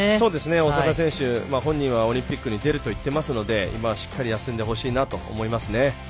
大坂選手、本人はオリンピックに出ると言っていますので今はしっかり休んでほしいなと思いますね。